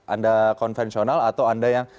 anda konvensional atau anda yang